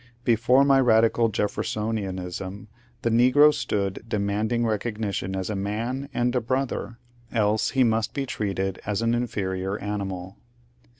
Before my radical Jeffersonianism the negro stood demanding recognition as a man and a brother ; else he must be treated as an inferior animal.